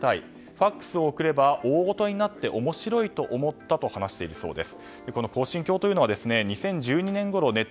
ＦＡＸを送れば大ごとになって面白いと思ったと話しているそうです。